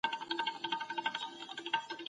هغه وويل چي شريعت انصاف غواړي.